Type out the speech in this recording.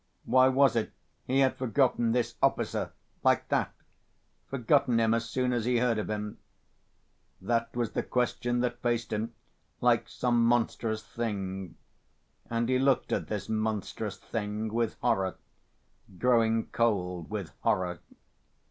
Why was it he had forgotten this officer, like that, forgotten him as soon as he heard of him? That was the question that faced him like some monstrous thing. And he looked at this monstrous thing with horror, growing cold with horror.